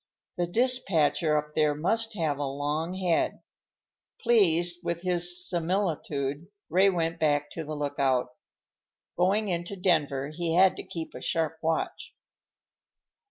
_ The Dispatcher up there must have a long head." Pleased with his similitude, Ray went back to the lookout. Going into Denver, he had to keep a sharp watch.